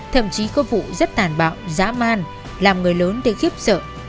thậm chí có vụ rất tàn bạo dã man làm người lớn để khiếp sợ